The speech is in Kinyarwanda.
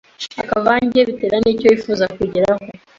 ukavanga bitewe n’icyo wifuza kugeraho.